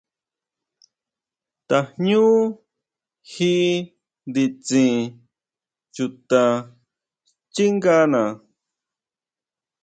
Tajñú ji nditsin chuta xchíngana.